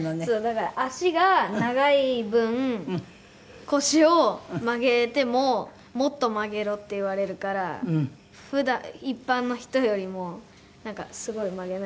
だから足が長い分腰を曲げても「もっと曲げろ」って言われるから一般の人よりもなんかすごい曲げないと。